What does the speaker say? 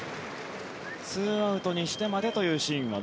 ２アウトにしてまでというシーンも。